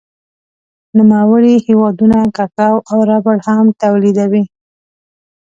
نوموړی هېوادونه کاکاو او ربړ هم تولیدوي.